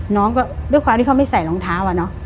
น้องก็ด้วยความที่เขาไม่ใส่รองเท้าอะเนาะ